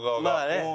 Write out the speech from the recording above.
まあね。